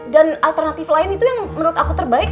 dan alternatif lain itu yang menurut aku terbaik